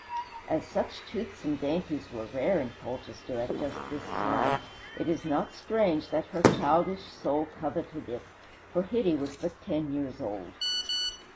As such toothsome dainties were rare in Colchester at just this time, it is not strange that her childish soul coveted it, for Hitty was but ten years old.